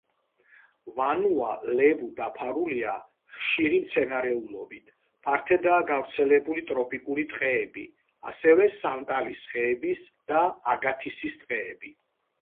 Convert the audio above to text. ვანუა-ლევუ დაფარულია ხშირი მცენარეულობით, ფართედაა გავრცელებული ტროპიკული ტყეები, ასევე სანტალის ხეების და აგათისის ტყეები.